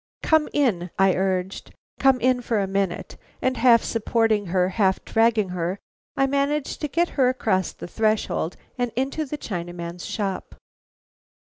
"Come in," I urged, "come in for a minute." And half supporting her, half dragging her, I managed to get her across the threshold and into the Chinaman's shop.